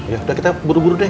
yaudah kita buru buru deh